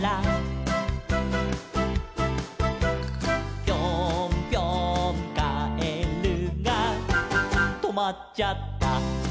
「ぴょんぴょんカエルがとまっちゃった」